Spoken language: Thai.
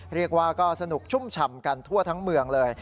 เรียกว่าก็สนุกชุ่มฉ่ำกันทั่วทั้งเมืองเลย